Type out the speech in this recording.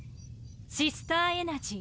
「シスターエナジー」。